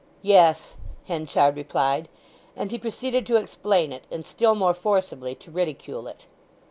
"Yes," Henchard replied; and he proceeded to explain it, and still more forcibly to ridicule it.